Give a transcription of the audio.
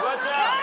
あ！